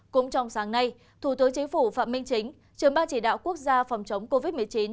cũng trong sáng nay thủ tướng chính phủ phạm minh chính trường ban chỉ đạo quốc gia phòng chống covid một mươi chín